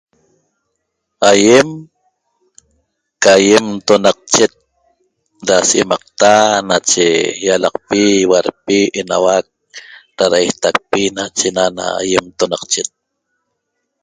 ayem qam ayem ntonacchet da sheimacta nnache yalacpi ihualpi enahuac da dashetacpi nachena na yentonacchet.